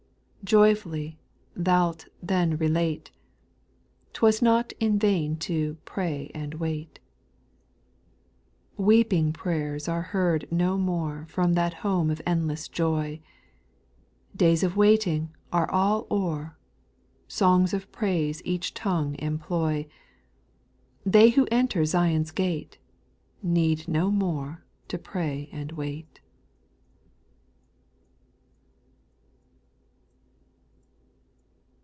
Joyfully thou Ut then relate, ' T was not in vain to —" Pray and wait»" 6: Weeping prayers are heard no more From that home of endless joy ; Days of waiting all are o'er , Songs of praise each tongue employ; They who enter Zion's gate. Need no more to —*' Pray and wait."